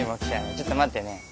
ちょっと待ってね。